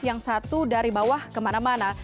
yang satu dari bawah kemana mana